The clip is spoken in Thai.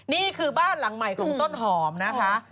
นี่คือบ้านหลังใหม่ของต้นหอมนะคะ